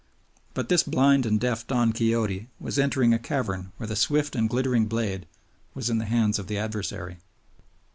But this blind and deaf Don Quixote was entering a cavern where the swift and glittering blade was in the hands of the adversary.